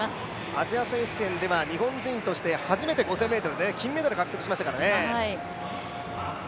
アジア選手権では日本時として初めて５０００ｍ金メダル獲得しましたからね。